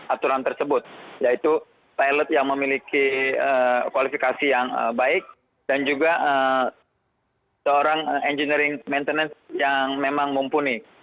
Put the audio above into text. aturan tersebut yaitu pilot yang memiliki kualifikasi yang baik dan juga seorang engineering maintenance yang memang mumpuni